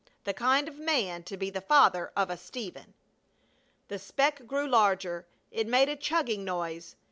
The kind of a man to be the father of a Stephen! The speck grew larger. It made a chugging noise.